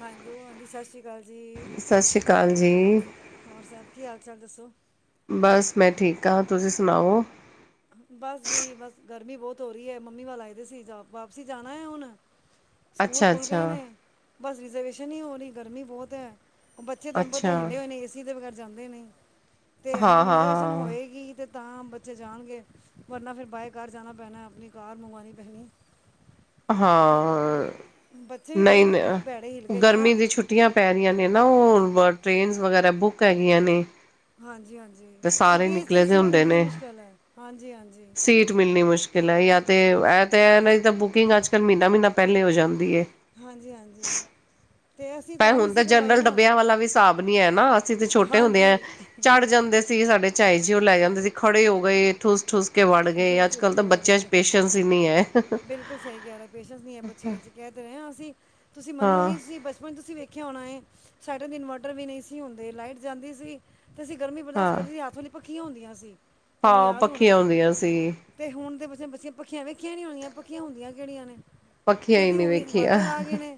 Hello ਹਾਂਜੀ ਸਤਿ ਸ਼੍ਰੀ ਅਕਾਲ ਜੀ। ਸਤਿ ਸ਼੍ਰੀ ਅਕਾਲ ਜੀ। ਹੋਰ ਸਬ ਕੀ ਹਾਲ ਚਾਲ ਦੱਸੋ? ਬਸ ਮੈਂ ਠੀਕ ਹਾਂ ਤੁਸੀਂ ਸੁਣਾਓ? ਬਸ ਜੀ ਬਸ ਗਰਮੀ ਬਹੁਤ ਹੋ ਰਹੀ ਹੈ ਮੰਮੀ ਵਾਗਦੇ ਸੀ ਵਾਪਸੀ ਜਾਣਾ ਹੈ ਹੁਣ ਸਕੂਲ ਅੱਛਾ ਖੁੱਲ ਅੱਛਾ ਗਏ ਨੇ ਬਸ ਰਿਜਰਵੇਸ਼ਨ ਹੀ ਹੋ ਰਹੀ ਗਰਮੀ ਬਹੁਤ ਹੈ। ਉਹ ਬੱਚੇ ਤੁਹਾਨੂੰ ਅੱਛਾ ਪਤਾ ਹਿੱਲੇ ਹੋਏ ਨੇ ਏਸੀ ਦੇ ਬਗੈਰ ਜਾਂਦੇ ਨੇ ਤੇ ਹੁਣ ਹਾਂ ਹਾਂ ਰਿਜਰਵੇ ਹਾਂ ਹੋਏਗੀ। ਤਾਂ ਬੱਚੇ ਜਾਣਗੇ ਵਰਨਾ ਫਿਰ ਬਾਏ ਕਾਰ ਜਾਣਾ ਪੈਣਾ ਆਪਣੀ ਕਾਰ ਮੰਗਉਣੀ ਪੈਣੀ। ਕਿ ਹਾਂ। ਬੱਚੇ ਵੀ ਨਹੀਂ ਬੜੇ ਭੈੜੇ ਹਿਲ ਨਹੀਂ ਗਏ ਨੇ ਗਰਮੀ ਨਾ ਦੀ ਛੁੱਟੀਆਂ ਪੈ ਰਹੀਆਂ ਨੇ ਨਾ ਉਹ ਟ੍ਰੇਨ ਵਗੈਰਾ ਬੁੱਕ ਹੈਗੀਆਂ ਨੇ। ਹਾਂਜੀ ਹਾਂਜੀ। ਤੇ ਸਾਰੇ ਛੁੱਟੀਆਂ 'ਚ ਤਾਂ ਨਿਕਲੇ ਦੇ ਸੀਟ ਹੁੰਦੇ ਮਿਲਣੀ ਨੇ। ਮੁਸ਼ਕਿਲ ਹੈ ਹਾਂਜੀ ਹਾਂਜੀ ਸੀਟ ਮਿਲਣੀ ਮੁਸ਼ਕਿਲ ਮੁਸ਼ਕਿਲ ਹੈ ਯ ਤੇ ਇਹ ਤਾਂ ਇਹ ਨਾ ਤਾਂ ਬੁਕਿੰਗ ਅੱਜ ਕੱਲ ਮਹੀਨਾ ਮਹੀਨਾ ਪਹਿਲੇ ਹੋ ਜਾਂਦੀ ਏ। ਹਾਂਜੀ ਹਾਂਜੀ। ਤੇ ਅਸੀਂ ਭ ਨਹੀਂ ਹੁਣ ਤਾਂ ਸੀ ਕਰਵਾਈ ਜਨਰਲ ਨਾ ਡੱਬਿਆਂ ਵਾਲਾ ਵੀ ਹਿਸਾਬ ਨੀ ਹੈ ਨਾ ਅਸੀਂ ਤੇ ਛੋਟੇ ਹੁੰਦੇ ਆ ਹਾਂਜੀ ਚੜ੍ਹ ਜਾਂਦੇ। ਸੀਗੇ ਸਾਡੇ ਚਏ ਜੀ ਉਹ ਲੈ ਜਾਂਦੇ ਸੀ ਖੜੇ ਹੋ ਗਏ ਠੁਸ ਠੁਸ ਵੜ ਗਏ ਠੂਸ ਅੱਜ ਠੂਸ ਕੱਲ੍ਹ ਕੇ ਤਾਂ ਵੜ ਬੱਚਿਆਂ ਚ ਗਏ ਪੇਸ਼ੈਂਸ ਹੀ ਨੀ ਹੈ। ਬਿਲਕੁਲ ਸਹੀ ਕਹਿ ਰਹੇ ਪੇਸ਼ੈਂਸ ਨਹੀਂ ਹੈ ਬੱਚਿਆਂ 'ਚ ਕਹਿ ਰਹੇ ਹਾਂ ਅਸੀਂ ਤੁਸੀਂ ਹਾਂ ਮੰਨੋਗੇ ਤੁਸੀਂ ਬਚਪਨ ਚ ਤੁਸੀਂ ਵੇਖ ਖਿਆ ਹੋਣਾ ਸਾਈਡਾਂ ਦੇ ਇਨਵਰਟਰ ਵੀ ਨਹੀਂ ਸੀ ਹੁੰਦੇ ਲਾਈਟ ਜਾਂਦੀ ਸੀ। ਤੇ ਅਸੀਂ ਗਰਮੀ ਬਰਦਾਸ਼ਤ ਹਾਂ ਕਰਦੇ ਹੱਥੋਂ ਲਈ ਪੱਖੀਆਂ ਹੁੰਦੀਆਂ ਸੀ ਤੁਹਾਨੂੰ ਹਾਂ ਯਾਦ ਹੋਣਾ ਪੱਖੀਆਂ ਹੁੰਦੀਆਂ ਸੀ ਤੇ ਹੁਣ ਤੇ ਬਸੇ ਬੱਸੀਆਂ ਪੱਖੀਆਂ ਵੇਖੀਆਂ ਨੀ ਹਦੀਆਂ ਪੱਖੀਆਂ ਹੁੰਦੀਆਂ ਕਿਹੜੀਆਂ ਨੇ ਪੱਖੀਆਂ ਹੀ ਕਿਉਂਕਿ ਨਹੀਂ ਹੁਣ ਵੇਖੀਆਂ ਇਨਵਰਟਰ ਆ ਗਏ ਨੇ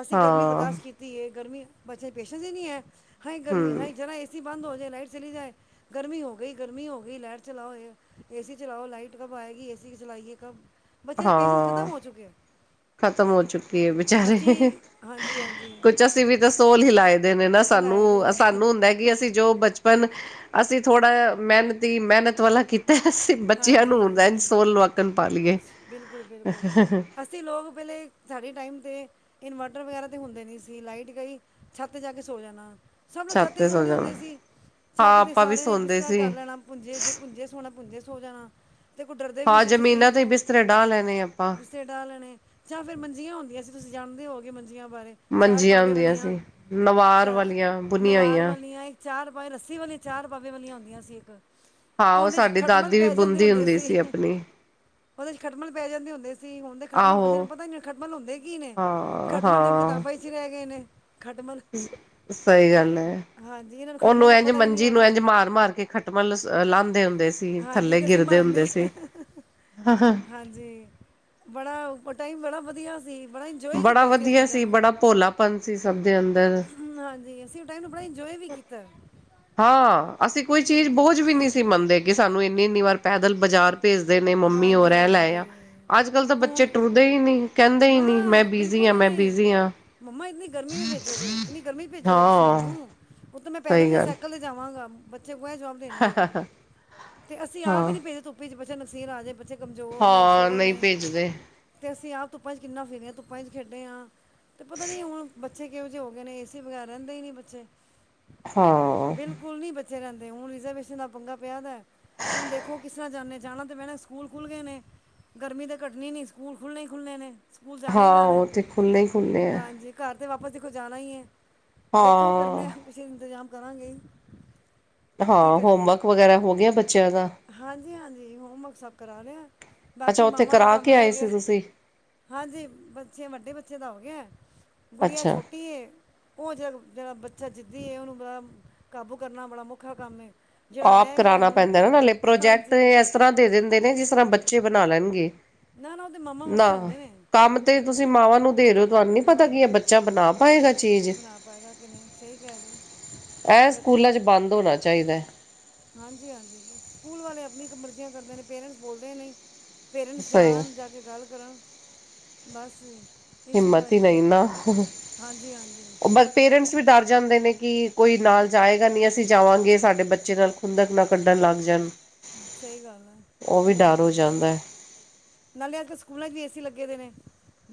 ਅਸੀਂ ਗਰਮੀ ਹਾਂ ਬਰਦਾਸ਼ਤ ਕੀਤੀ ਹੈ ਗਰਮੀ ਬੱਚੇ ਪੇਸ਼ਣ ਦੀ ਨੀ ਹੈ ਹਏ ਗਰਮੀ ਹਮ ਹੈਾ ਜਰਾ ਏਸੀ ਬੰਦ ਹੋ ਜਾਏ ਲਾਈਟ ਚਲੀ ਜਾਏ ਗਰਮੀ ਹੋ ਗਈ ਗਰਮੀ ਹੋ ਗਈ ਲਾਈਟ। ਚਲਾਓ ਏਸੀ ਚਲਾਓ ਲਾਈਟ ਕਬ ਆਏਗੀ ਏਸੀ ਚਲਾਈਏ ਕਬ ਬੱਚ ਪੇਸੈਂ ਖਤਮ ਹੋ ਚੁੱਕੇ। ਖਤਮ ਹੋ ਚੁੱਕੀ ਹੈ ਬੇਚਾਰੇ ਅਸੀਂ ਹਾਂਜੀ ਹਾਂਜੀ ਕੁਛ ਅਸੀਂ ਵੀ ਤਾਂ ਸੋਲ ਹੀ ਲਾ ਨੇ ਨਾ ਇਹ ਲਾਏ ਦੇ ਸਾਨੂੰ ਨੇ ਸਾਨੂੰ ਹੁੰਦਾ ਕਿ ਅਸੀਂ ਜੋ ਬਚਪਨ ਅਸੀਂ ਥੋੜਾ ਮਿਹਨਤੀ ਮਿਹਨਤ ਵਾਲਾ ਕੀਤਾ। ਬੱਚਿਆਂ ਨੂੰ ਹਦਾ ਹਾਂਜੀ ਸੋਨ ਲਵਾਕਣ ਪਾ ਲਈਏ। ਬਿਲਕੁਲ ਬਿਲਕੁਲ [unintelligible] ਸਾਡੇ ਟਾਈਮ 'ਤੇ ਇਨਵਰਟਰ ਵਗੈਰਾ ਤਾਂ ਹੁੰਦੇ ਨਹੀਂ ਸੀ ਲਾਈਟ ਕਈ ਛੱਤ ਜਾ ਕੇ ਸੌ ਜਾਣਾ। ਸਭ ਨੂੰ ਛੱਤ ਤੇ ਸੋ ਸੌਦੇ ਜਾਣਾ ਹੁੰਦੇ ਸੀ ਛੱਤ ਹਾਂ ਤੇ ਆਪਾਂ ਵੀ ਸਾਰੇ ਨੇ ਸੌਦੇ ਪਿਸਾ ਸੀ ਕਰ ਲੈਣਾ ਭੁੰਜੇ ਭੁੰਜੇ ਸੋਣਾ ਪੁੰਜੇ ਸੋ ਜਾਣਾ। ਤੇ ਕੋਈ ਡਰਦੇ ਵੀ ਨਹੀਂ ਹਾਂ ਸੀ ਕਿਸੇ ਜ਼ਮੀਨਾਂ ਚੀਜ਼ ਤੇ ਹੀ ਤੋਂ ਬਿਸਤਰੇ ਡਾਹ ਲੈਣੇ ਆਪਾਂ। ਬਿਸਤਰੇ ਡਾਹ ਲੈਣੇ ਜਾਂ ਫੇਰ ਮੰਜੀਆਂ ਹੁੰਦੀਆਂ ਸੀਂ ਤੁਸੀਂਣਦੇ ਹੋਗੇ ਮੰ ਬਾਰੇ ਚਾਰ ਮੰਜੀਆਂ ਪਾਵੇ ਹੁੰਦੀਆਂ ਵਾਲੀਆਂ ਸੀ ਨਵਾਰ ਚ ਵਾਲੀਆਂ ਬੁਨੀਆਂ ਨਵਾਰ ਹੋਈਆਂ ਵਾਲੀਆਂ। ਚਾਰ ਪਾਵੇ ਰੱਸੀ ਵਾਲੀਆਂ ਚਾਰ ਬਾਬੇ ਵਾਲੀਆਂ ਹੁੰਦੀਆਂ ਸੀ ਇੱਕ ਹਾਂ ਉਹ ਉਹਦੇ 'ਚ ਸਾਡੀ ਖਟਮਲ ਦਾਦੀ ਵੀ ਪੈ ਜਾਂਦੇ ਬੁੰਦੀ ਹੁੰਦੇ ਹੁੰਦੀ ਸੀ ਆਪਣੀ ਉਹਦੇ ਖੱਟਮਲ ਪੈ ਜਾਂਦੇ ਹੁੰਦੇ ਸੀ ਹੁਣ ਦੇ ਖੱਟਮਲ ਆਹੋ ਪਸੇ ਨੂੰ ਪਤਾ ਨ ਖੱਟਮਲ ਹੁੰਦੇ ਕੀ ਨੇ? ਹਾਂ ਖਤਮ ਤੇਨ ਕਿ ਤਾਂ ਹਾਂ ਪਏ ਸੀ ਰਹਿ ਗਏ ਨੇ। ਖਟਮਲ ਸਹੀ ਅ ਗੱਲ ਹੈ। ਹਾਂਜੀ ਇਹਨਾਂ ਨੂੰ ਖਟਮਲ ਉਹਨੂੰ ਦਾ ਇੰਝ ਪਤਾ ਹੀ ਨਹੀਂ ਮੰਜੀ ਨੂੰ ਹੋਣਾ ਇੰਝ ਮਾਰ ਮਾਰ ਕੇ ਖੱਟਮਲ ਲਾਉਦੇ ਹੁੰਦੇ ਸੀ। ਹਾਂਜੀ ਥੱਲੇ ਤੇ ਅਸੀਂ ਗਿਰਦੇ ਮਾਰਨੇ ਹੁੰਦੇ ਸੀ। ਹਾਂਜੀ ਬੜਾ ਉਪਰ ਟਾਈਮ ਬੜਾ ਵਧੀਆ ਸੀ। ਬੜਾ ਇੰਜੋਏ ਬੜਾ ਕੀਤਾ ਇਸ ਵਧੀਆ ਚੀਜ਼ਾਂ ਸੀ ਨੂੰ ਬੜਾ ਭੋਲਾਪਨ ਸੀ ਸਭ ਦੇ ਅੰਦਰ। ਹਾਂਜੀ ਅਸੀਂ ਉਹ ਟਾਈਮ ਨੂੰ ਬੜਾ ਇੰਜੋਏ ਵੀ ਕੀਤਾ। ਹਾਂ ਅਸੀਂ ਕੋਈ ਚੀਜ਼ ਬੋਝ ਵੀ ਨਹੀਂ ਸੀ ਮੰਨਦੇ ਕਿ ਸਾਨੂੰ ਇੰਨੀ ਇੰਨੀ ਵਾਰ ਪੈਦਲ ਬਾਜ਼ਾਰ ਭੇਜਦੇ ਨੇ ਮੰਮੀ ਉਹ ਹਾਂਜੀ ਰਹਿ ਲਏ ਆ ਹਾਂਜੀ ਅੱਜ ਕੱਲ ਤਾਂ ਬੱਚੇ ਹੁਣ ਟੁਰਦੇ ਹੀ ਨੀ ਕਹਿੰਦੇ ਹੀ ਨਾ ਨੀ ਮੈਂ ਬਿਲਕੁਲ ਬੀਜ਼ੀ ਵੀ ਮੈਂ ਨਹੀਂ ਬਿਜ਼ੀ ਹਾਂ। ਮੰਮਾ ਇੰਨੀ ਗਰਮੀੀ ਵੀ ਭੇਜੋਗੇ ਇੰਨੀ ਗਰਮੀ ਭੇਜੋਗੇ ਤੁਸੀਂ ਹਾਂ ਮੈਨੂੰ [unintelligible] ਮੈਂ ਪੈਦਲ ਸਹੀ ਨਹੀਂ ਗੱਲ ਸਾਈਕਲ 'ਤੇ ਜਾਵਾਂਗਾ। ਬਛੇ ਉਆ ਜਵਾਬ ਦੇਣਗੇ ਤੇ ਅਸੀਂ ਆਪ ਹੀ ਹਾਂ ਨੀ ਭੇਜਦੇ ਧੁੱਪ ਚ ਬੱਚੇ ਨਕਸੀਰ ਆ ਜਾ ਬੱਚੇ ਕਮਜ਼ੋਰ ਨੇ ਹਾਂ ਸੋਹਲ ਨਹੀਂ ਨੇ ਭੇਜਦੇ ਤੇ ਅਸੀਂ ਆਪ ਧੁੱਪਾਂ ਚ ਕਿੰਨਾ ਫਿਰਰੇ ਹਾਂ ਧੁੱਪਾਂ ਚ ਖੇਡੇ ਹਾਂ। ਤੇ ਪਤਾ ਨੀ ਹੁਣ ਬੱਚੇ ਕਿਹੋ ਜਿਹੇ ਹੋ ਗਏ ਨੇ ਏ ਸੀ ਵਗੈਰ ਰਹਿੰਦੇ ਹੀ ਨਹੀਂ ਬੱਚੇ ਹਾਂ। [unintelligible] ਰਹਿੰਦੇ ਹੁਣ ਰਿਜਰਵੇਸ਼ਨ ਦਾ ਪੰਗਾ ਪਿਆ ਦਾ ਹੁਣ ਦੇਖੋ ਕਿਸ ਤਰ੍ਹਾਂ ਜਾਂਦੇ ਜਾਣਾ। ਭੈਣ ਸਕੂਲ ਖੁੱਲ੍ਹ ਗਏ ਨੇ ਗਰਮੀ ਤਾਂ ਘਟਣੀ ਨਹੀਂ ਸਕੂਲ ਖੁੱਲ੍ਹਣੇ ਹੀ ਖੁੱਲਣੇ ਨੇ ਸਕੂਲ ਜਾਣਾ ਹੀ ਹਾਂ ਉਹ ਤੇ ਖੁੱਲ੍ਹੇ ਹੀ ਖੁੱਲ੍ਹੇ ਹੈ। ਤਾਂ ਵਾਪਸ ਦੇਖੋ ਜਾਣਾ ਹੀ ਹੈ ਦੇਖੋ ਹਾਂ ਕਰਨ ਕੁਸੀੇ ਦਾ ਇੰਤਜ਼ਾਮ ਕਰਾਂਗੇ। ਕੀ ਹਾਂ ਕਰੀਏ ਹੋਮਵਰਕ ਵਗੈਰਾ ਹੋ ਗਿਆ ਬੱਚਿਆਂ ਦਾ। ਹਾਂਜੀ ਹਾਂਜੀ ਹੋਮਵਰਕ ਸਭ ਕਰਾ ਲਿਆ ਅੱਛਾ ਬਾਕੀ ਉੱਥੇ ਮਾਵਾਂ ਦਾ ਕਰਾ ਕੰਮ ਕੇ ਰਹਿ ਆਏ ਗਿਆ ਸੀ ਤੁਸੀਂ ਹਾਂਜੀ ਬੱਚੇ ਵੱਡੇ ਬੱਚੇ ਦਾ ਹੋ ਗਿਆ। ਗੁੜੀਆਂ ਅੱਛਾ ਛੋਟੀ ਹੈ ਉਹ ਜ ਜਿਹੜਾ ਬੱਚਾ ਜਿੱਦੀ ਉਹਨੂੰ ਬ ਕਾਬੂ ਕਰਨਾ ਬੜਾ ਮਖਾ ਕੰਮ ਏ ਜਿਹੜਾ ਆਪ ਰਹਿ ਗਿਆ ਕਰਾਉਣਾ ਹੁਣ ਪੈਂਦਾ ਨਾੇ ਪ੍ਰੋਜੈਕਟ ਹਾਂਜੀ ਇਸ ਤਰ੍ਹਾਂ ਦੇ ਦਿੰਦੇ ਨੇ ਜਿਸ ਤਰ੍ਹਾਂ ਬੱਚੇ ਬਣਾ ਲੈਣਗੇ। ਨਾ ਨਾ ਉਹਦੇ ਮਾਮਾ ਨਾ ਮਸੇ ਹੁੰਦੇ ਨੇ ਕੰਮ ਤੇ ਤੁਸੀਂ ਮਾਵਾਂ ਨੂੰ ਦੇ ਰਹੇ ਹੋ ਤੁਹਾਨੂੰ ਨੀ ਪਤਾ ਕੀ ਹੈ ਹਾਂਜੀ ਬੱਚਾ ਬਣਾ ਪਾਏਗਾ ਚੀਜ਼ ਬਣਾ ਪਾਏਗਾ ਕਿ ਨਹੀਂ ਸਹੀ ਕਹਿ ਰਹੇ ਹੋ ਇਹ ਬੱਚੇ ਸਕੂਲਾਂ ਚ ਬੋਲੋ ਬੰਦ ਹੋਣਾ ਚਾਹੀਦਾ ਹੈ। ਹਾਂਜੀ ਹਾਂਜੀ ਸਕੂਲ ਵਾਲੇ ਆਪਣੀ ਇੱਕ ਮਰਜ਼ੀਆਂ ਕਰਦੇ ਨੇ ਪੇਰੈਂਟਸ ਬੋਲਦੇ ਨਹੀਂ। ਪੇਰੈਂਟਸ ਸਹੀ ਜਾਣ ਜਾ ਕੇ ਗੱਲ ਕਰਨ ਬਸ ਜ ਹਿੰਮਤ ਹੀ ਨਹੀਂ ਨਾ। ਹਾਂਜੀ ਹਾਂਜੀ ਉਹ ਬ ਪੇਰੈਂਟਸ ਵੀ ਡਰ ਜਾਂਦੇ ਨੇ ਕਿ ਕੋਈ ਨਾਲ ਜਾਏਗਾ ਨਹੀਂ ਅਸੀਂ ਜਾਵਾਂਗੇ ਸਾਡੇ ਬੱਚੇ ਨਾਲ ਖੁੰਦਕ ਨਾਲ ਕੱਢਣ ਲੱਗ ਜਾਣ। ਸਹੀ ਗੱਲ ਆ ਉਹ ਵੀ ਹੁੰਦਾ ਗਲਾ ਡਰ ਹੋ ਜਾਂਦਾ ਹੈ ਕੱਢਣਗੇ ਨਾਲੇ ਅਜ ਸਕੂਲਾਂ ਚ ਵੀ ਏਸੀ ਲੱ ਨੇ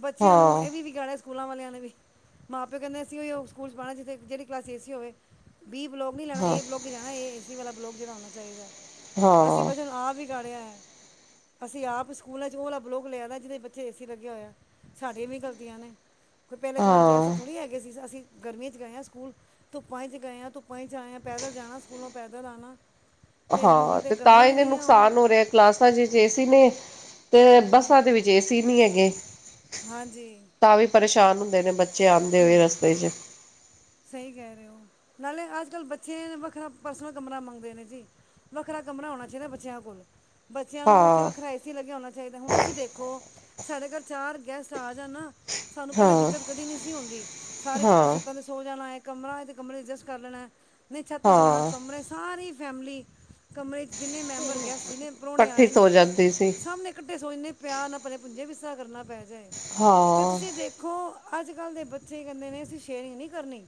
ਬੱਚਿਆਂ ਨੂੰ ਹਾਂ ਇਹ ਵੀ ਵੀ ਗਾਣਾ। ਸਕੂਲਾਂ ਵਾਲਿਆਂ ਨੇ ਵੀ ਮਾਂ ਪਿਓ ਕ ਐਏਸੀ ਹੋਵੇ ਸਕੂਲਚ ਪਾਉਣਾ ਜਿੱਥੇ ਜਿੜੀ ਕਲਾਸਸੀ ਏਸੀ ਹੋਵੇ। ਵੀਹ ਬਲੋਕ ਨੀ ਲੈਣਾ ਹਾਂ ਇਹ ਬਲੋਕ ਜਾਣਾ ਇਹਏਸੀ ਵਾਲਾ ਬਲੋਕ ਜਿਹੜਾ ਹੋਣਾ ਚਾਹੀਦਾ। ਅਸੀਂ ਹਾਂ ਵਚਨ ਆਪ ਵੀ ਗੜਿਆ ਹੈ। ਅਸੀਂ ਆਪ ਸਕੂਲਾਂ ਚ ਹੋਲਾ ਬਲੋਕ ਲਿਆ ਦਾ ਜਿਹਦੇ ਬੱਚੇ ਏ ਸੀ ਲੱਗਿਆ ਹੋਇਆ ਸਾਡੀਆਂ ਵੀ ਗਲਤੀਆਂ ਨੇ। ਕੋਈ ਪਹਿਲੇ ਜਮਾਨ 'ਚ ਹਾਂ ਸਭਥੋੜ੍ਹ ਹੈਗੇ ਸੀ ਅਸੀਂ ਗਰਮੀੀਆਂ ' ਗਏ ਆਾਂ ਸਕੂਲ ਧੁੱਪਾਂ ਚਚ ਗਏ ਆਾਂ ਧੁੱਪਾਂ ਚਚ ਆਏਆ ਪਦਲ ਜਾਣਾ ਸਕੂਲੋਂ ਪੈਦਲ ਆਣਾ ਹੁਣ ਹਾਂ ਤੇ ਗੱਲਾਂ ਤਾਂ ਹੀ ਨਹੀਂ ਇਹਨ ਰਹੀਆਂ ਹੁਣ ਨੁਕਸਾਨ ਹੋ ਰਿਹਾ ਕਲਾਸਾਂ ਚ ਜੇਸੀ ਨੇ- ਤੇ ਹਾਂ ਬੱਸਾਂ ਦੇ ਵਿੱਚ ਏ ਸੀ ਨਹੀਂ ਹੈਗੇ ਤਾਂ ਵੀ ਪਰੇਸ਼ਾਨ ਹੁੰਦੇ ਨੇ ਬੱਚੇ। ਆਉਂਦੇ ਹੋਏ ਹਮ ਰਸਤੇ ਚ ਸਹੀ ਕਹਿ ਰਹੇ ਹੋ ਨਾਲੇ ਅੱਜ ਅਜ ਕੱਲ ਬੱਚੇ ਵੱਖਰਾ ਪਰਸਨਲ ਕਮਰਾ ਮੰਗਦੇ ਨੇ ਜੀ ਵੱਖਰਾ ਕਮਰਾ ਹੋਣਾ ਚਾਹੀਦਾ ਬੱਚਿਆਂ ਕੋਲ। ਬੱਚਿਆਂ ਨੂੰ ਉੱਥੇ ਹਾਂ ਵੱਖਰਾਏਸ ਲੱਗਿਆ ਆਉਣਾ ਚਾਹੀਦਾ ਹੁਣ ਤੁਸੀਂ ਦੇਖੋ ਸਾਡੇ ਘਰ ਚਾਰ ਗੈਸਟ ਆ ਜਾਣ ਨਾ। ਸਾਨੂੰ ਪਹਿਲੇ ਹਾਂ ਦਿੱਕਤ ਕਦੀ ਨਹੀਂ ਸੀ ਹੁੰਦੀ ਸਾਰੇ ਇਕੱਠੇ ਹਾਂ ਛੱਤਾਂ ਤੇ ਸੋ ਜਾਣ। ਕ ਕਮ ਅਡਜਸਟ ਕਰ ਲੈਣਾ ਨਹੀਂ ਛਤੇ ਸ ਹਾਂ ਕਮਰੇ ਸਾਰੀ ਫੈਮਲੀ ਕਮਰੇ 'ਚ ਜਿੰਨੇ ਮੈਂਬਰ ਗੈਸਟ ਜਿੰਨੇ ਪਰੌਣੇ ਇਕੱਠੀ ਆਏ ਸੋ ਨੇ ਜਾਂਦੀ ਸੀ ਸਾਹਮਣੇ ਕੱਠੇ ਸੋਚੇ ਪਿਆਰ ਨਾ ਭ ਪੁੰਜੇ ਵੀ ਕਰਨਾ ਪੈ ਜਾਏ ਤੇ ਹਾਂ ਤੁਸੀਂ ਦੇਖੋ ਅੱਜ ਅੱਜ ਕੱਲ ਦੇ ਬੱਚੇ ਕਹਿੰਦੇ ਨੇ ਮੰਮੀ ਅਸੀਂ ਸ਼ਏਯਰਿੰਗ ਨੀ ਕਰਨੀ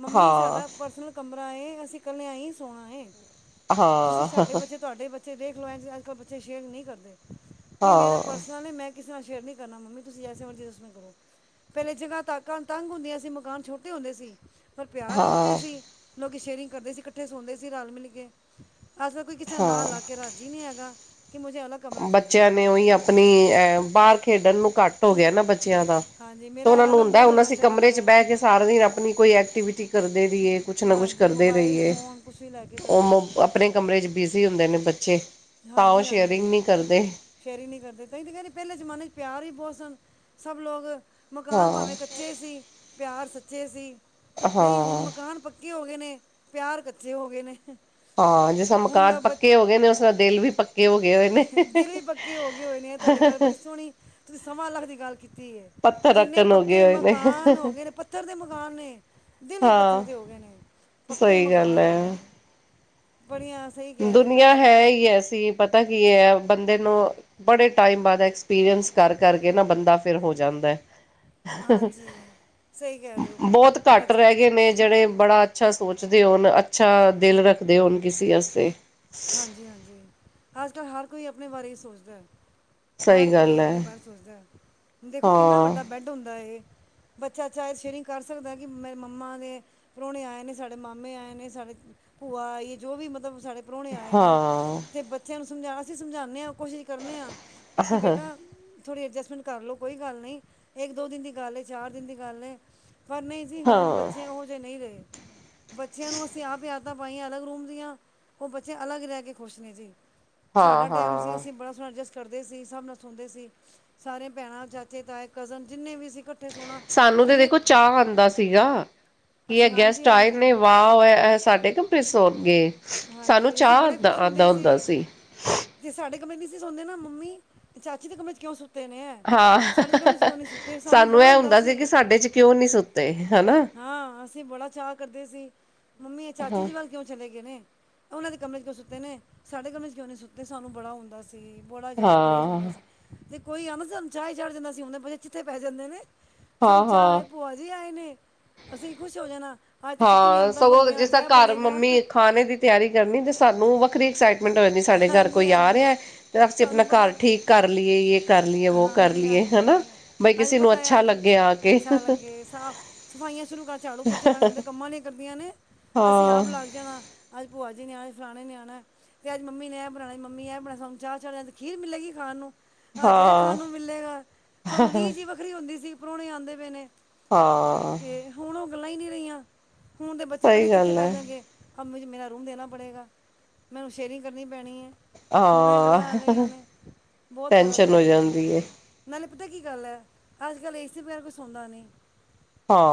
ਮੰਮੀ ਹਾਂ ਸਾਡਾ ਪਰਸਨਲ ਕਮ ਮਰਾ ਹੈ ਅਸੀਂ ਕੱਲਿਆਂ ਹੀ ਸੋਣਾ ਹੈ [unintelligible] ਬ ਦੇਖ ਲ ਬੱਚੇ ਸ਼ੇਰ ਨਹੀਂ ਕਰਦੇ ਮਰਾ ਹਾਂ ਪਰਸਨਲ ਹੈ ਮੈਂ ਕਿਸੇ ਨਾਲ ਸ਼ੇਅਰ ਨਹੀਂ ਕਰਨਾ ਮੰਮੀ ਤੁਸੀਂ ਐਸੇ ਮਰਜ਼ੀ ਦੱਸ ਕਰੋ ਪਹਿਲੇ ਜਗ੍ਹਾ ਤਾਕਾਂ ਤੰਗ ਹੁੰਦੀਆਂ ਸੀ ਮਕਾਨ ਛੋਟੇ ਹੁੰਦੇ ਸੀ ਪਰ ਪਿਆਰ ਬਹੁਤੇ ਹਾਂ ਸੀ ਲੋਕ ਸ਼ੇਅਰਿੰਗ ਕਰਦੇ ਸੀ ਇਕੱਠੇ ਸੌਦੇ ਸੀ ਰਲ ਮਿਲ ਕੇ ਅਸ ਤਾਂ ਕੋਈ ਕਿਸੇ ਨਾਂ ਲਾ ਹਾਂ ਕੇ ਰਾਜੀੀ ਨਹੀਂ ਹੈਗਾ ਕਿ ਮੁਝੇ ਅਲੱਗ ਕਮਰਾ ਚਾਹੀਏ ਬੱਚਿਆਂ ਜੀ ਨੇ ਉਹੀ ਆਪਣੀ ਅਹ ਬਾਹਰ ਖੇਡਣ ਨੂੰ ਘੱਟ ਹੋ ਗਿਆ ਨਾ ਬੱਚਿਆਂ ਦਾ ਹਾਂਜੀ ਤਾਂ ਮੇਰਾ ਉਹਨਾਂ ਨੂੰ ਅਲੱਗ ਹੁੰਦਾ ਬੈੱਡ ਹੁਣ ਹੋਣਾ ਅਸੀਂ ਚਾਹੀਦਾ ਕਮਰੇ ਚ ਹੈ ਬਹਿ ਕੇ ਸਾਰਾ ਦਿਨ ਆਪਣੀ ਕੋਈ ਐਕਟੀਵਿਟੀ ਕਰਦੇ ਰਹੀਏ ਕੁਛ ਨਾ ਕੁਛ ਹਾਂਜੀ ਕਰਦੇ ਮੋਬਾਈਲ ਰਹੀਏ ਫੋਨ ਕੁਛ ਵੀ ਲੈ ਕੇ ਕਰਦੇ ਰਹੀਏ ਉਹ ਆਪਣੇ ਕਮਰੇ ਚ ਬਿਜੀੀ ਹੁੰਦੇ ਨੇ ਬੱਚੇ ਤਾਂ ਉਹ ਹਾਂਜੀ ਹਾਂਜੀ ਸ਼ੇਅਰਿੰਗ ਨਹੀਂ ਕਰਦੇ ਸ਼ੇਰੀ ਨੀ ਕਰਦੇ ਕ ਕਹਿੀ ਪਹਿਲੇ ਜ਼ਮਾਨੇ ਚ ਪਿਆਰ ਹੀ ਬਹੁਤ ਸਨ ਸਭ ਲੋਕ ਮਕਾਨ ਹਾਂ ਭਾਵੇਂ ਕੱਚੇ ਸੀ ਪਿਆਰ ਸੱਚੇ ਸੀ ਨਹੀਂ ਹੁਣ ਹਾਂ ਮਕਾਨ ਪੱਕੇ ਹੋ ਗਏ ਨੇ ਪਿਆਰ ਕੱਚੇ ਹੋ ਗਏ ਨੇ ਹਾਂ ਜਿਸ ਤਰ ਹੁਣ ਮਕਾਨ ਲ ਬ ਪੱਕੇ ਹੋ ਗਏ ਨੇ ਉਸਦਾ ਦਿਲ ਵੀ ਪੱਕੇ ਹੋ ਗਏ ਹੋਏ ਨੇ ਦਿਲ ਵੀ ਪੱਕੇ ਹੋ ਗਏ ਹੋਏ ਨੇ ਆ ਤੁਹਾਡੀ ਗੱਲ ਬੜੀ ਸੋਹਣੀ ਤੁਸੀਂ ਸਮਾਂ ਲੱਖ ਦੀ ਗੱਲ ਕੀਤੀ ਹੈ ਪੱਥਰ ਜਿੰਨੇ ਰੱਖਣ ਹੋ ਗਏ ਪੱਕੇ ਹੋਏ ਮਕਾਨ ਹੋ ਨੇ ਗਏ ਨੇ ਪੱਥਰ ਦੇ ਮਕਾਨ ਨੇ ਦਲੀ ਪੱਥਰ ਹਾਂ ਤੇ ਹੋ ਗਏ ਨੇ ਪੱਕੇ ਸਹੀ ਗੱਲ ਮਕਾਨ ਹੋ ਗਏ ਹੈ ਨੇ ਬੜੀਆਂ ਸਹੀ ਕਹਿ ਰਹੇ ਹੋ ਦੁਨੀਆਂ ਪਹਿਲੇ ਹੈ ਹੀ ਐਸੀ ਪਤਾ ਕੀ ਬੰਦੇ ਨੂੰ ਬੜੇ ਟਾਈਮ ਬਾਅਦ ਐਕਸਪੀਰੀੰਸ ਕਰ-ਕਰਕੇ ਨਾ ਬੰਦਾ ਫਿਰ ਹੋ ਜਾਂਦਾ ਹੈ। ਹਾਂਜੀ ਸਹੀ ਕਹਿ ਰਹੇ ਹੋ ਬਹੁਤ ਘੱਟ ਐਕਸ ਰਹਿ ਗਏ ਨੇ ਜਿਹੜੇ ਬੜਾ ਅੱਛਾ ਸੋਚਦੇ ਹੋਣ ਅੱਛਾ ਦਿਲ ਰੱਖਦੇ ਹੋਣ ਕਿਸੇ ਆਸਤੇ ਹਾਂਜੀ ਹਾਂਜੀ ਅੱਜ ਕੱਲ੍ਹ ਹਰ ਕੋਈ ਆਪਣੇ ਬਾਰੇ ਹੀ ਸੋਚਦਾ ਹੈ। ਹਰ ਸਹੀ ਕੋਈ ਗੱਲ ਹੈ ਆਪਣੇ ਬਾਰੇ ਸੋਚਦਾ ਹੈੁਣ ਦੇਖੋ ਕਿੰਨਾ ਹਾਂ ਵੱਡਾ ਬੈਡ ਹੁੰਦਾਏ ਬੱਚਾ ਚਾਹੇ ਸ਼ੇਅਰਿੰਗ ਕਰ ਸਕਦਾ ਬੀ ਮਾਮਾ ਦੇ ਪਰੌਣੇ ਆਏ ਨੇੇ ਸਾਡੇ ਮਾਮੇ ਆਏ ਨੇ ਸਾਡੇ ਭੂਆ ਆਈ ਜੋ ਵੀ ਮਤਲਬ ਸਾਡੇ ਪਰੌੁਣੇ ਆਏ ਨੇ ਹਾਂ ਅਤੇ ਬੱਚਿਆਂ ਨੂੰ ਸਮਝਾ ਅਸੀਂ ਸਮਝਾਣੇ ਹਾਂ। ਕੋਸ਼ਿਸ਼ ਕਰਨੇ ਹਾਂ ਕਿ ਬੇਟਾ- ਥੋੜ੍ਹੀ ਅਡਜਸਟਮੈਂਟ ਕਰ ਲਓ ਕੋਈ ਗੱਲ ਨਹੀਂ ਇੱਕ ਦੋ ਦਿਨ ਦੀ ਗੱਲ ਹੈ ਚਾਰ ਦਿਨ ਦੀ ਗੱਲ ਏ ਪਰ ਨਹੀਂ ਸੀ ਹੁਣ ਹਾਂ ਬੱਚੇ ਉਹੋ ਜਿਹੇ ਨਹੀਂ ਰਹੇ। ਬੱਚਿਆਂ ਨੂੰ ਅਸੀਂ ਆਪ ਹੀ ਆਦਤਾਂ ਪਾਈਆਂ ਅਲੱਗ ਰੂਮ ਦੀਆਂ ਉਹ ਬੱਚੇ ਅਲੱਗ ਰਹਿ ਕੇ ਖੁਸ਼ ਨੇ ਜੀ। ਹਾਂ ਸਾਡਾ ਟਾਈਮ ਸੀ ਹਾਂ ਅਸੀਂ ਬੜਾ ਸੋਹਣਾ ਅਰਜਟ- ਕਰਦੇ ਸੀ ਹਿਸਾਬ ਨਾਲ ਸੁਣਦੇ ਸੀ ਸਾਰੇ ਭੈਣਾਂ ਚਾਚੇ ਤਾਏ ਕਜ਼ਨ ਜਿੰਨੇ ਵੀ ਸੀ ਇਕੱਠੇ ਸੋਣਾ ਸਾਨੂੰ ਤੇ ਕਿੰਨੇ ਦੇਖੋ ਚਾਵ ਆਂਦਾ ਸੀਗਾ। ਕੀ ਇਹ ਅਸੀਂ ਹਾਂਜੀ ਗੈਸਟ ਆਏ ਹਾਂਜੀ ਨੇ ਵਾਹ ਇਹ ਸਾਡੇ ਕਮਰੇ ਸੌਣਗੇ। ਸਾਨੂੰ ਹਾਂਜੀ ਅਸੀਂ ਚਾਅ ਬੜੇ ਆਂਦਾ ਖੁਸ਼ ਆਂਦਾ ਹੁੰਦੇ ਸੀ ਹੁੰਦਾ ਤੇੇ ਸਾਡੇ- ਦੀ ਸੀ ਸੁਣਦੇ ਨਾ ਮੰਮੀ ਚਾਚੀ ਦੇ ਕਮਰੇ ਚ ਕਿਉਂ? ਸੁੱਤੇ ਨੇ ਹਾਂ ਸਾਡੇ ਦੇ ਕਮਰੇ 'ਚ ਕਿਉਂ ਨਹੀਂ ਸੁੱਤੇ ਸਾਨੂੰ ਬੜਾ ਇਹ ਹੁੰਦਾ ਸੀ ਕਿ ਸਾਡੇ ਚ ਕਿਉਂ ਨੀ ਸੁੱਤਾ? ਹਾਂ ਅਸੀਂ ਬੜਾ ਚਾਅ ਕਰਦੇ ਸੀ ਮੰਮੀ ਇਹ ਚਾਚੀ ਹਾਂ ਜੀ ਵੱਲ ਕਿਉਂ ਚਲੇ ਗਏ ਨੇ? ਉਹ ਦੇ ਕਮਰੇ ਚ ਕਿਉਂ ਸੁੱਤੇ ਨੇ ਸਾਡੇ ਕਮਰੇ ਚ ਕਿਉਂ ਨਹੀਂ ਸੁੱਤੇ ਸਾਨੂੰ ਬੜਾ ਹੁੰਦਾ ਸੀ। ਅਤੇ ਬੜਾ ਜ਼ਿਆਦਾ ਕਰੇਜ਼ ਹੁੰਦਾ ਹਾਂ ਸੀ ਅਤੇ ਕੋਈ ਆਨ ਚਾਹ ਚਾੜ੍ਹ ਜਾਂਦਾ ਸੀ ਹਦੇ ਬ ਜੇ ਚਿੱਥੇ ਪੈ ਜਾਂਦੇ ਨੇ ਸਾਨੂੰ ਹਾਂ ਚਾਹ ਹਾਂ ਹੈ ਭੂਆ ਜੀ ਆਏ ਨੇ ਅਸੀਂ ਖੁਸ਼ ਹੋ ਜਾਣਾ। ਅੱਜ ਤਾਂ ਛੱਤੀ ਹਾਂ ਨਿਆਮਤਾਂ ਸਗੋਂ ਬਣਨੀਆਂ ਜਿਸ ਅੱਜ ਤਰ੍ਹਾਂ ਇਹ ਘਰ ਬਣੇਗਾ ਮੰਮੀ ਖਾਣੇ ਦੀ ਤਿਆਰੀ ਕਰਨੀ ਤੇ ਸਾਨੂੰ ਵੱਖਰੀ ਐਕਸਾਈਟ- ਟ ਹੋ ਨਹੀਂ ਸਾਡੇ ਘਰ ਹਾਂਜੀ ਕੋਈ ਆ ਹਾਂਜੀ ਰਿਹਾ ਫ ਅਸੀਂ ਆਪਣਾ ਸਾਨੂੰ ਪਤਾ ਘਰ ਹੈ। ਠੀਕ ਕਰ ਲਈਏ ਯ ਕਰ ਲਈਏ ਵੋ ਕਰ ਹਾਂਜੀ ਲਈਏਯ- ਹਾਂਜੀ ਅੱਜ ਪਤਾ ਆ ਅੱਜ ਅੱਛਾ ਲੱਗੇ ਸਫਾਈਆਂ ਸ਼ੁਰੂ ਕਰ ਝਾੜੂ ਪੁੱਛੇ ਉਹਨਾਂ ਨੇਦੇ- ਕੰਮਾਂ ਲਈ ਕਰਦੀਆਂ ਨੇ ਅਸੀਂ ਹਾਂ ਆਪ ਲਾਗ ਜਾਣਾ ਅਜ ਭੁਆ ਜੀ ਨੇ ਆਣਾ ਫਲਾਣੇ ਨੇ ਆਣਾ ਅਤੇ ਅੱਜ ਮੰਮੀ ਨੇ ਇਹ ਬਣਾ ਮ ਮੰਮੀ ਇਹ ਬਣਾ ਸੂੰ ਚਾਹ ਚਿਆ ਖੀਰ ਮਿਲੇਗੀ ਖਾਣ ਨੂੰ ਹਜੇ ਇਹ ਖਾਣ ਹਾਂ ਨੂੰ ਮਿਲੇਗਾ ਸਾਨੂੰ ਰੀਝ ਹੀ ਵੱਖਰੀ ਹੁੰਦੀ ਸੀ, ਪ੍ਰੋਣੇ ਆਦੇ ਪਏ ਨੇ। ਹਾਂ। ਤੇ ਹੁਣ ਉਹ ਗੱਲਾਂ ਹੀ ਨਹੀਂ ਰਹੀਆਂ, ਹੁਣ ਦੇ ਬੱਚੇ ਪਹਿਲੇ ਸਹੀ ਜਿੱਥੇ ਗੱਲ ਪੈ ਹੈ ਜਾਂਗੇ। ਅਬ ਮੁਝੇ ਮੇਰਾ ਰੂਮ ਦੇਣਾ ਪੜੇਗਾ, ਮੈਨੂੰ ਸ਼ੇਅਰਿੰਗ ਕਰਨੀ ਪੈਣੀ ਏ। ਹਾਂ ਬਹੁਤ ਫਰਕ ਟੈਨਸ਼ਨ ਹੋ ਪੈ ਗਿਆ ਜੀ ਜਾਂਦੀ ਏ। ਨਾਲੇ ਪਤਾ ਕੀ ਗੱਲ ਹੈ ਅੱਜ ਕੱਲ ਏਸ ਏ ਸੀ ਬਗੈਰ ਕੋਈ ਸੌਦਾ ਨਹੀਂ,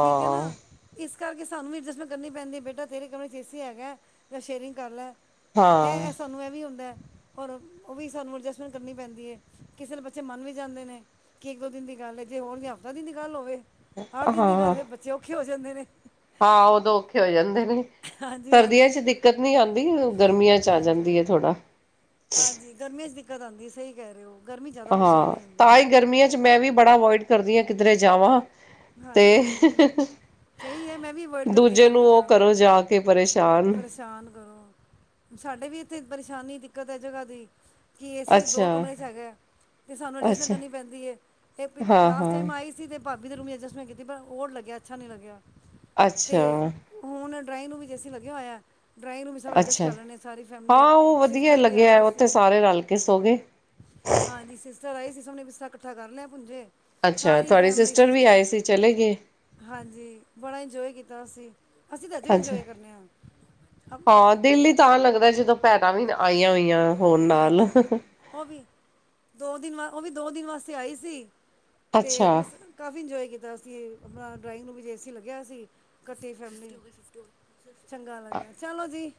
ਠੀਕ ਹੈ ਨਾ ਇਸ ਇਸ ਕਰਕੇ ਸਾਨੂੰ ਵੀ ਅਡਜਸਟਮੈਂਟ ਕਰਨੀ ਪੈਂਦੀ ਹੈ, ਬੇਟਾ ਤੇਰੇ ਕਮਰੇ 'ਚ ਏ ਸੀ ਹੈਗਾ ਜਾਂ ਸ਼ੇਅਰਿੰਗ ਕਰ ਲੈ। ਹਾਂ ਇਹ ਸਾਨੂੰ ਇਹ ਵੀ ਹੁੰਦਾ। ਔਰ ਉਹ ਵੀ ਸਾਨੂੰ ਅਡਜਸਟਮੈਂਟ ਕਰਨੀ ਪੈਂਦੀ ਹੈ, ਕਿਸੇ ਬੱਚੇ ਮੰਨ ਵੀ ਜਾਂਦੇ ਨੇ, ਕਿ ਇੱਕ ਦੋ ਦਿਨ ਦੀ ਗੱਲ ਗੱਲ ਏ ਜੇ ਹੋਰ ਦੀ ਹਫ਼ਤਾ ਦਿਨ ਦੀ ਗੱਲ ਹੋਵੇ, ਆੱਠ ਦਿਨ ਦੀ ਹਾਂ ਗੱਲ ਹੋ, ਬੱਚੇ ਔਖੇ ਹੋ ਜਾਂਦੇ ਨੇ। ਹਾਂ ਉਦੋਂ ਔਖੇ ਹੋ ਜਾਂਦੇ ਨੇ, ਹਾਂਜੀ ਸਰਦੀਆਂ ਹਾਂਜੀ 'ਚ ਦਿੱਕਤ ਨੀ ਆਦੀ, ਗਰਮੀਆਂ 'ਚ ਚਾਹ ਆ ਹਾਂਜੀ ਜਾਂਦੀ ਹੈ ਥੋੜਾ ਹਾਂਜੀ ਗਰਮੀਆਂ ਚ ਦਿੱਕਤ ਆਂਦੀ ਏ, ਸਹੀ ਕਹਿ ਰਹੇ ਹੋ। ਗਰਮੀ ਜ਼ਿਆਦਾ ਹਾਂ ਪਰੇਸ਼ਾਨੀ ਆਉਂਦੀ ਤਾਂ ਹੈ ਹੀ ਗਰਮੀਆਂ 'ਚ ਮੈਂ ਵੀ ਬੜਾ ਅਵੋਇਡ ਕਰਦੀ ਹਾਂ, ਕਿੱਧਰੇ ਜਾਵਾਂ। ਤੇ ਹਾਂਜੀ-ਹਾਂਜੀ ਸਹੀ ਹੈ ਮੈਂ ਵੀ ਅਵੋਇਡ ਕਰਦੀ ਹਾਂ ਦੂਜੇ ਨੂੰ ਗਰਮੀ ਉਹ ਜਾਣਾ। ਕਰੋ ਜਾ ਕੇ ਪਰੇਸ਼ਾਨ ਪਰੇਸ਼ਾਨ ਕਰੋ ਸਾਡੇ ਵੀ ਇੱਥੇ ਪਰੇਸ਼ਾਨੀ ਦਿੱਕਤ ਹੈ ਜਗ੍ਹਾ ਦੀ। ਕਿ ਅ ਏ ਸੀ ਦੋ ਅੱਛਾ ਕਮਰੇ 'ਚ ਹੈਗਾ। ਤੇ ਸਾਨੂੰ ਅਡਜਸਟਮੈਂਟ ਅੱਛਾ ਕਰਨੀ ਪੈਂਦੀ ਏ, ਇਹ ਹਾਂ ਲਾਸਟ ਹਾਂ ਟਾਈਮ ਆਈ ਸੀ ਤੇ ਭਾਬੀ ਦੇ ਰੂਮ ਵਿੱਚ ਐਡਜਸਟਮੈਂਟ ਕੀਤੀ, ਪਰ ਓੜ ਲੱਗਿਆ ਅੱਛਾ ਨਹੀਂ ਲੱਗਿਆ, ਅੱਛਾ ਤੇ ਹੁਣ ਡਰਾਇੰਗ ਨੂੰ ਵੀ ਏ ਸੀ ਲੱਗਿਆ ਹੋਇਆ ਏ। ਅੱਛਾ ਜੀ, ਹਾਂ ਉਹ ਵਧੀਆ ਸਿਸਟਰ ਵੀ ਆਈ ਲੱਗਿਆ ਦੀ ਉੱਥੇ ਸੀ ਸਾਰੇ ਰਲ ਕੇ ਸੋ ਗਏ। ਹਾਂਜੀ ਸਿਸਟਰ ਆਏ ਸੀ, ਸਭ ਨੇਂ ਬਿਸਤਰ੍ਹਾਂ ਇਕੱਠਾ ਕਰ ਲਿਆ ਪੂੰਜੇ। ਅੱਛਾ, ਤੁਹਾਡੇ ਸਿਸਟਰ ਵੀ ਆਏ ਸੀ ਚਲੇ ਗਏ। ਹਾਂਜੀ ਬੜਾ ਇੰਜੋਏ ਕੀਤਾ ਅਸੀਂ, ਅਸੀਂ ਤਾਂ ਅਜੇ ਵੀ ਅੱਛਾ ਇੰਜੋਏ ਕਰਨੇ ਆਂ। ਹਾਂ, ਦਿਲ ਹੀ ਤਾਂ ਲੱਗਦਾ ਜਦੋਂ ਭੈਣਾਂ ਵੀ ਆਈਆਂ ਹੋਈਆਂ। ਹੋਣ ਨਾਲ ਹਾਂਜੀ ਉਹ ਵੀ ਦੋ ਦਿਨਾ, ਉਹ ਵੀ ਦੋ ਦਿਨ ਵਾਸਤੇ ਆਈ ਸੀ। ਅੱਛਾ ਤੇ ਬਸ ਕਾਫੀ ਇੰਜੋਏ ਕਿਦਾ ਅਸੀ ਆਪਣਾ ਡਰਾਇੰਗ ਰੂਮ 'ਚ ਏ ਸੀ ਲੱਗਿਆ ਸੀ, ਇਕੱਠੀ ਫੈਮਿਲੀ ਚੰਗਾ ਲੱਗਿਆ, ਚਲੋ ਜੀ,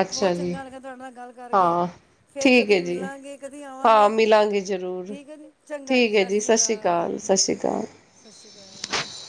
ਅੱਛਾ ਬਹੁਤ ਜੀ ਚੰਗਾ ਲੱਗਿਆ ਤੁਹਾਡੇ ਨਾਲ ਗੱਲ ਕਰਕੇ। ਹਾਂ ਫੇਰ ਠੀਕ ਹੈ ਕਦੀ ਜੀ ਮਿਲਾਂਗੇ, ਕਦੀ ਹਾਂ ਆਵਾਂਗੇ, ਮਿਲਾਂਗੇ ਜ਼ਰੂਰ ਠੀਕ ਹੈ ਜੀ ਚੰਗਾ ਜੀ, ਸਤਿ ਸ਼੍ਰੀ ਅਕਾਲ। ਸਤਿ ਸ਼੍ਰੀ ਅਕਾਲ। ਸਤਿ ਸ਼੍ਰੀ ਅਕਾਲ।